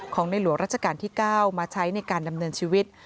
ในหลวงราชการที่๙มาใช้ในการดำเนินชีวิต